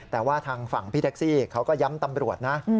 แต่ว่าทางฝั่งพี่แท็กซี่เขาก็ย้ำตำรวจนะ